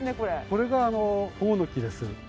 これがホオノキです。